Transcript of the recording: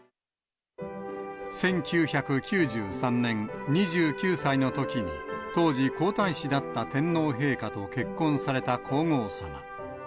１９９３年、２９歳のときに当時、皇太子だった天皇陛下と結婚された皇后さま。